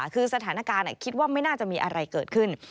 คือสถานการณ์คิดว่าไม่น่าจะมีอะไรเกิดขึ้น